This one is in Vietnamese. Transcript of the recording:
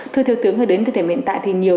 thưa thiếu tướng đến thời điểm hiện tại thì nhiều